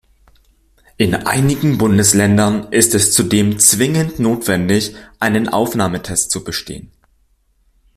In einigen Bundesländern ist es zudem zwingend notwendig, einen Aufnahmetest zu bestehen.